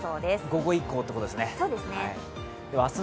午後以降ということですね。